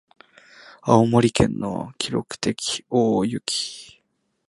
青森県の記録的大雪